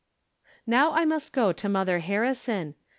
Now I must go to Mother Harrison.